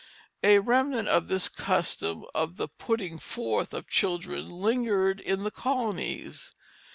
A remnant of this custom of the "putting forth" of children lingered in the colonies.